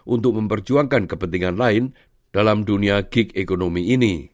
untuk memperjuangkan kepentingan lain dalam dunia gig economy ini